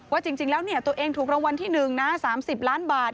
ว่าจริงแล้วตัวเองถูกรางวัลที่๑นะ๓๐ล้านบาท